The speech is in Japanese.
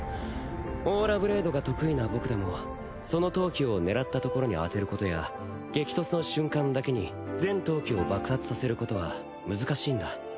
オーラブレードが得意な僕でもその闘気を狙ったところに当てることや激突の瞬間だけに全闘気を爆発させることは難しいんだ。